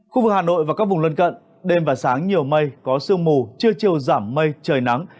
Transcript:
khu vực hà nội và các vùng lân cận đêm và sáng nhiều mây có sương mù trưa chiều giảm mây trời nắng